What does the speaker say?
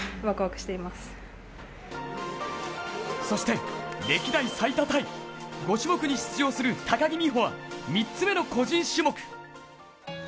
そして、歴代最多タイ、５種目に出場する高木美帆は３つ目の個人種目。